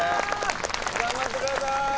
頑張ってください